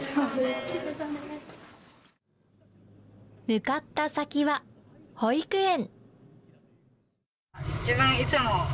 向かった先は保育園。